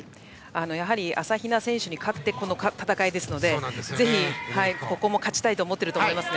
やはり朝比奈選手に勝ってのこの戦いなのでぜひここも勝ちたいと思っていると思います。